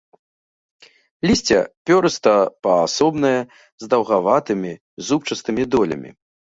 Лісце пёрыста-паасобнае, з даўгаватымі зубчастымі долямі.